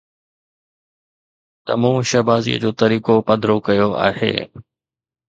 ته مون شهبازيءَ جو طريقو پڌرو ڪيو آهي